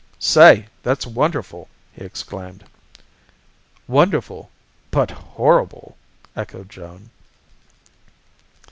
"Say, that's wonderful!" he exclaimed. "Wonderful but horrible!" echoed Joan.